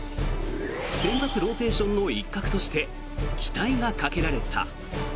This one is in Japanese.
先発ローテーションの一角として期待がかけられた。